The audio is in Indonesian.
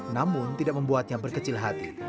namun tidak membuatnya berkecil hati